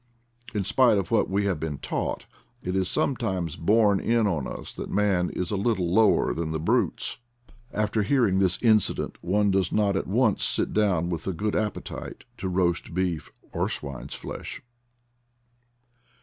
In spite of what we have been taught, it is sometimes borne in on us that man is a little lower than the brutes. After hearing this incident one does not at once sit down with a good appetite to roast beef or swine's flesh.